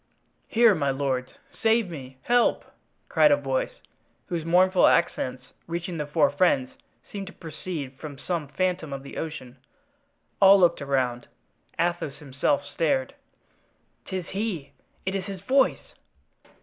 "Here, my lords! save me! help!" cried a voice, whose mournful accents, reaching the four friends, seemed to proceed from some phantom of the ocean. All looked around; Athos himself stared. "'Tis he! it is his voice!"